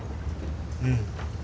うん。